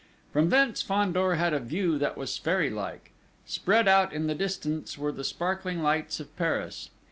From thence Fandor had a view that was fairy like. Spread out in the distance were the sparkling lights of Paris.